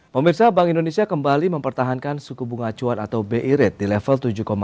pemirsa bank indonesia kembali mempertahankan suku bunga acuan atau bi rate di level tujuh